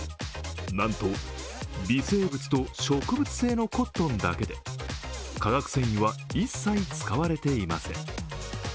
なんと微生物植物性のコットンだけで化学繊維は一切使われていません。